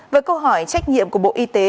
với câu hỏi trách nhiệm của bộ y tế